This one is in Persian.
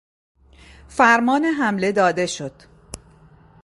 فرمان حمله داده شد